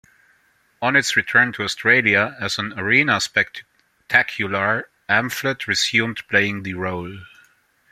On its return to Australia as an arena spectacular, Amphlett resumed playing the role.